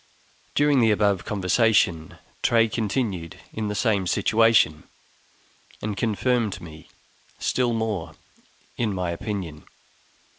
During the above conversation, Tray continued in the same situation, and confirmed me still more in my opinion.